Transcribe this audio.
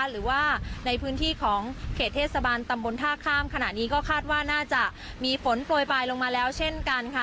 หรือว่าในพื้นที่ของเขตเทศบาลตำบลท่าข้ามขณะนี้ก็คาดว่าน่าจะมีฝนโปรยปลายลงมาแล้วเช่นกันค่ะ